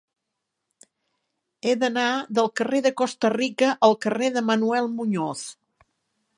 He d'anar del carrer de Costa Rica al carrer de Manuel Muñoz.